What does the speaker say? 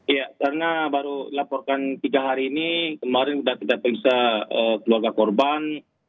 iya karena baru laporkan tiga hari ini kemarin sudah kita periksa keluarga korban